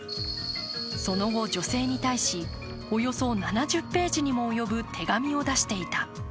その後、女性に対し、およそ７０ページにも及ぶ手紙を出していた。